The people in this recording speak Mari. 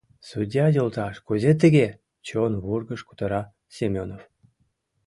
— Судья йолташ, кузе тыге?! — чон вургыж кутыра Семёнов.